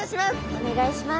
お願いします。